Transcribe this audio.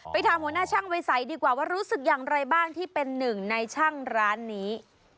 ถามหัวหน้าช่างวัยใสดีกว่าว่ารู้สึกอย่างไรบ้างที่เป็นหนึ่งในช่างร้านนี้